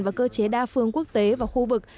và cơ chế đa phương quốc tế và khu vực